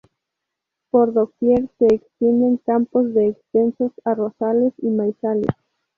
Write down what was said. Por doquier se extienden campos de extensos arrozales y maizales.